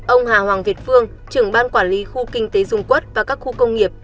ông hà hoàng việt phương trưởng ban quản lý khu kinh tế dung quốc và các khu công nghiệp